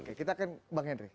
oke kita akan bang henry